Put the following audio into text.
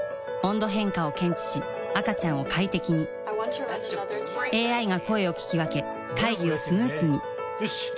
温度変化を検知し赤ちゃんを快適にＡＩが声を聞き分け会議をスムースによし！